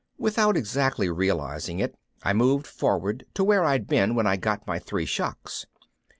Without exactly realizing it I moved forward to where I'd been when I got my three shocks.